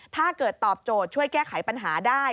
ถ้าเกิดตอบโจทย์ช่วยแก้ไขปัญหาได้